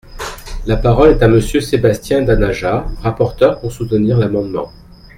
La parole est à Monsieur Sébastien Denaja, rapporteur, pour soutenir l’amendement.